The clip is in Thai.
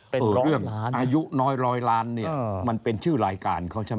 เป็นเรื่องล้านอายุน้อยร้อยล้านเนี่ยมันเป็นชื่อรายการเขาใช่ไหม